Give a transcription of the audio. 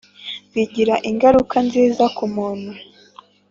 bigira ingaruka nziza ku muntu,